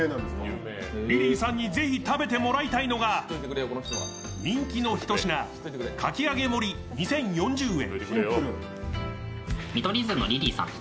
リリーさんにぜひ食べてもらいたいのが人気のひと品かき揚げもり、２０４０円。